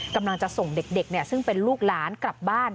กำลังจะส่งเด็กซึ่งเป็นลูกหลานกลับบ้าน